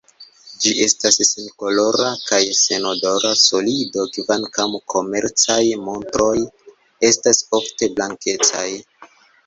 Ĝi estas senkolora kaj senodora solido, kvankam komercaj montroj estas ofte blankecaj.